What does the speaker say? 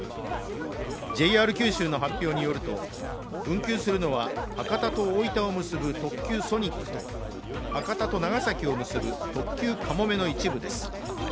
ＪＲ九州の発表によると運休するのは、博多と大分を結ぶ特急ソニックと博多と長崎を結ぶ特急かもめの一部です。